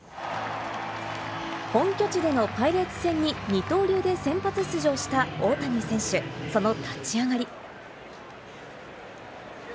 本拠地でのパイレーツ戦に、二刀流で先発出場した大谷選手、その立ち上がり。